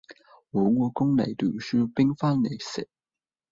枉我供你讀書，俾飯你食